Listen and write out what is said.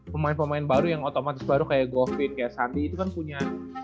pemain pemain baru yang otomatis baru kayak goviet kayak sandi itu kan punya